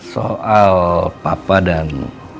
soal papa dan